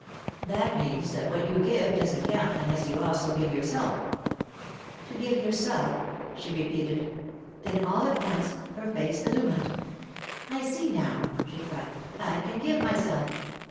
That means that what you give doesn't count unless you also give yourself." "To give yourself,'" she repeated; then, all at once, her face illumined. "I see now!" she cried. "I can give myself!